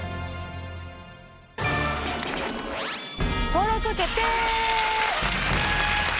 登録決定！